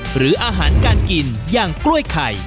หรืออาหารการกินอย่างกล้วยไข่